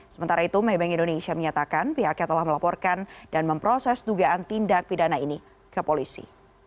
sementara itu maybank indonesia menyatakan pihaknya telah melaporkan dan memproses dugaan tindak pidana ini ke polisi